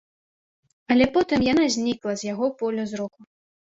Але потым яна знікла з яго поля зроку.